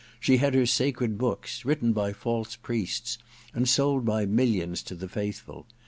She had her sacred books, written by false priests and sold by millions to the faithful.